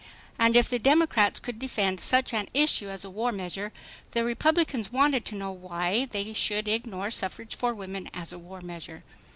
And if the Democrats could defend such an issue as a war measure, the Republicans wanted to know why they should ignore suffrage for women as a war measure.